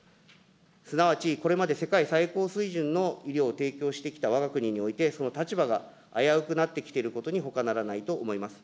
すなわち、これまで世界最高水準の医療を提供してきたわが国において、その立場が危うくなっていることが考えられます。